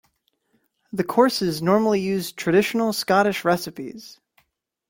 The courses normally use traditional Scottish recipes.